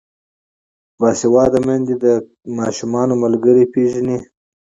باسواده میندې د ماشومانو ملګري پیژني.